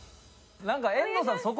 なんか遠藤さん